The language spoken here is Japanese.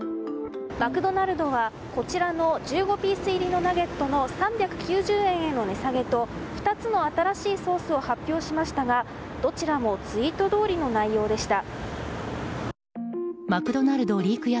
マクドナルドはこちらの１５ピース入りのナゲットの３９０円への値下げと２つの新しいソースを発表しましたがどちらも、ツイートどおりの内容でした。